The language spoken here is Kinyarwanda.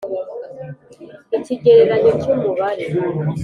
Ikigereranyo cy umubare